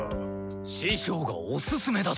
師匠がおすすめだと。